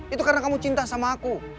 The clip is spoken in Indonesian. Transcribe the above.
itu karena kamu cinta sama aku